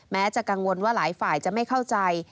แม้จะกังวลว่าหลายฝ่ายจะไม่เข้าใจ